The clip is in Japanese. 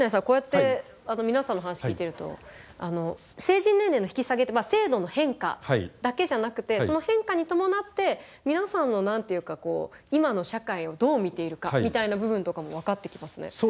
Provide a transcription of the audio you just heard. こうやって皆さんの話聞いてると成人年齢の引き下げって制度の変化だけじゃなくてその変化に伴って皆さんの何て言うかこう今の社会をどう見ているかみたいな部分とかも分かってきますね。